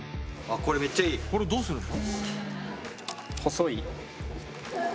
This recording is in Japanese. これをどうするの？